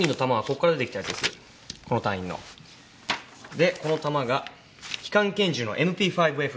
でこの弾が機関拳銃のＭＰ５Ｆでこの人の銃。